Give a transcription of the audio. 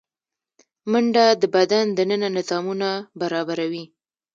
منډه د بدن دننه نظامونه برابروي